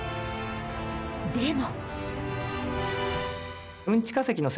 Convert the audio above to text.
でも。